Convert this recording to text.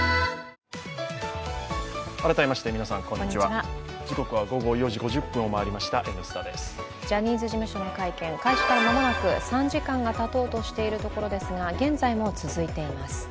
この決断に、新社長に追及がジャニーズ事務所の会見開始から間もなく３時間がたとうとしているところですが現在も続いています。